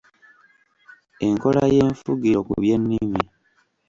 Enkola y’enfugiro ku byennimi